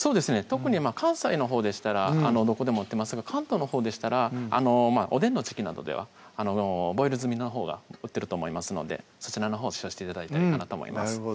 特に関西のほうでしたらどこでも売ってますが関東のほうでしたらおでんの時季などではボイル済みのほうが売ってると思いますのでそちらのほう使用して頂いたらいいかなと思います